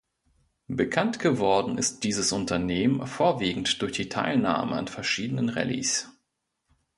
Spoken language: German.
Bekannt geworden ist dieses Unternehmen vorwiegend durch die Teilnahme an verschiedenen Rallyes.